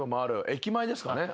駅前ですかね？